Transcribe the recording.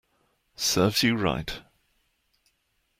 Serves you right